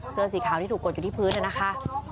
เสื้อสีขาวที่ถูกกดอยู่ที่พื้นนะคะ